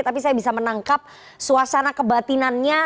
tapi saya bisa menangkap suasana kebatinannya